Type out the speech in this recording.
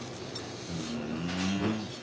ふん。